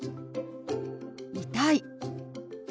「痛い」。